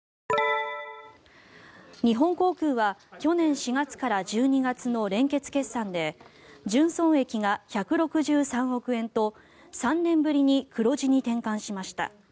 日本航空は去年４月から１２月の連結決算で純損益が１６３億円と３年ぶりに黒字に転換しました。